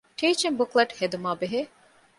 ޓީޗިންގ ބުކްލެޓް ހެދުމާބެހޭ